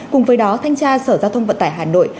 cùng với đó thanh tra sở giao thông vận tải hà nội